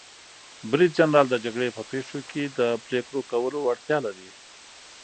برید جنرال د جګړې په پیښو کې د پریکړو کولو وړتیا لري.